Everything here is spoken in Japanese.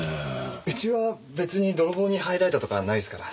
うちは別に泥棒に入られたとかないっすから。